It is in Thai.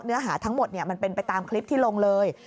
เนื้อหาทั้งหมดมันเป็นไปตามคลิปที่ลงเลย